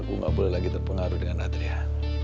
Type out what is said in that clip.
aku gak boleh lagi terpengaruh dengan adriana